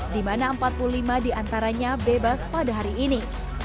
di mana empat puluh lima diantaranya bebas pada hari ini